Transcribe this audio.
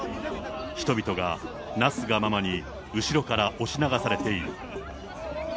人々がなすがままに後ろから押し流されている。